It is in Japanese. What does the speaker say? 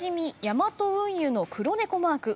ヤマト運輸のクロネコマーク。